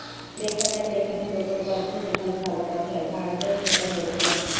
দেখা যায়, যেখানে প্রকল্প আছে, সেখানে ভালো কাজ হয়, ভারতেও সেটা হয়েছে।